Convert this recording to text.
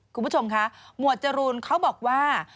คุณผู้ชมคะหมวดจรูนเขาบอกว่า